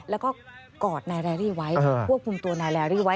แล้วก็กอดนายแรรี่ไว้ควบคุมตัวนายแรรี่ไว้